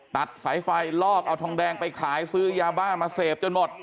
ตัดสายไฟลอกเอาทองแดงไปขายซื้อยาบ้ามาเสพจนหมด